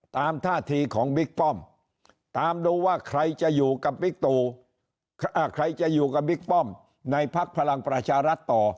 ตามท่าทีของบิ๊กป้อมตามดูว่าใครจะอยู่กับบิ๊กป้อมในภักดิ์พลังประชารัฐต่อ